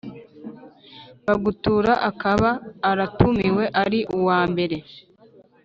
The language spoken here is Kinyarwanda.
Bagutura akaba aratumiwe ari uwa mbere